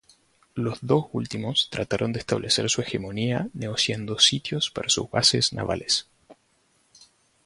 Los dos últimos trataron de establecer su hegemonía negociando sitios para sus bases navales.